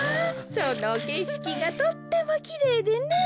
そのけしきがとってもきれいでね。